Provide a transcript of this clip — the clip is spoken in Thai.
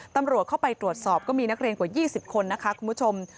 ตำรวจเข้าไปตรวจสอบก็มีนักเรียนกว่า๒๐คนนะคะคุณผู้ชม